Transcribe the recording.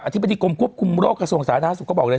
อธิบดีกรมกุบกลุ่มโรคกระทรวงสารน้ำสุขก็บอกเลย